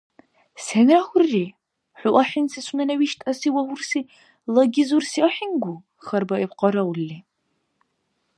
— Сен рагьурри? ХӀу ахӀенси сунела виштӀаси вагьурси лагизурси ахӀенгу? — хьарбаиб къараулли.